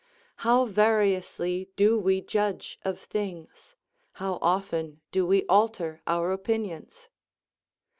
How variously do we judge of things? How often do we alter our opinions?